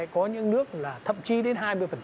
có những nước là thậm chí đến hai mươi